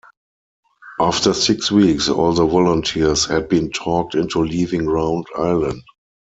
After six weeks, all the volunteers had been talked into leaving Round Island.